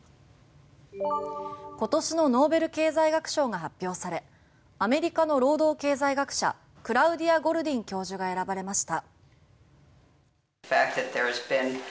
今年のノーベル経済学賞が発表されアメリカの労働経済学者クラウディア・ゴルディン教授が選ばれました。